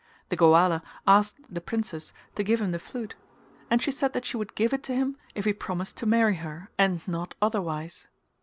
The Goala asked the princess to give him the flute and she said that she would give it to him if he promised to marry her and not otherwise.